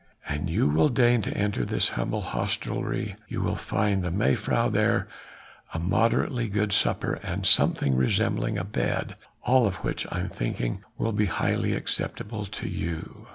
An you will deign to enter this humble hostelry you will find the mevrouw there, a moderately good supper and something resembling a bed, all of which I am thinking will be highly acceptable to you."